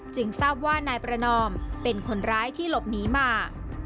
ทราบว่านายประนอมเป็นคนร้ายที่หลบหนีมา